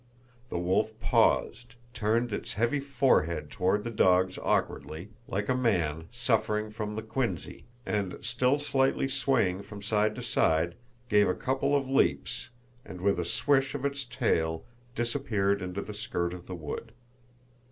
The wolf paused, turned its heavy forehead toward the dogs awkwardly, like a man suffering from the quinsy, and, still slightly swaying from side to side, gave a couple of leaps and with a swish of its tail disappeared into the skirt of the wood.